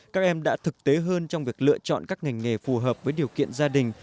các em đã thực tế hơn trong việc lựa chọn các ngành nghề phù hợp với điều kiện gia đình